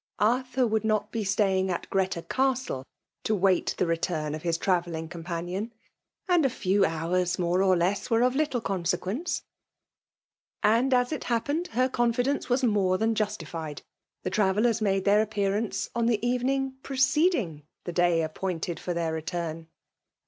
— Arthur would not be stay ing at Greta Castle to wait the return of his travelling companion ; and a few hours, more or less, were of little consequence. And, as it happened, her confidence was more than justified. The travellers made their appear ance on the evening preceding the day ap 280 FEMALE DOMINATION. pointed for their return.